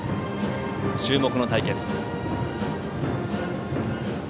注目の対決。